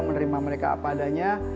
menerima mereka apa adanya